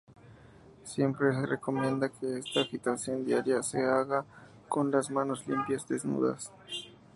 Siempre se recomienda que esta agitación diaria se haga con las manos limpias desnudas.